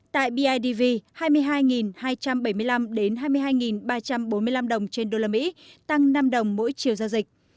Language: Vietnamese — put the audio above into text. tại bidv hai mươi hai hai trăm bảy mươi năm hai mươi hai ba trăm bốn mươi năm đồng trên đô la mỹ tăng năm đồng mỗi chiều giao dịch